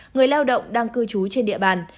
người lao động đang cư trú trên địa bàn